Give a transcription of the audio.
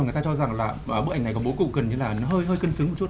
người ta cho rằng bức ảnh này có bố cục cần